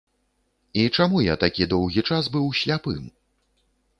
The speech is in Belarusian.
І чаму я такі доўгі час быў сляпым?